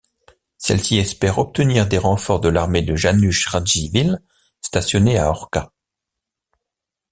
Celui-ci espère obtenir des renforts de l'armée de Janusz Radziwiłł, stationnée à Orcha.